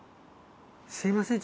すみません。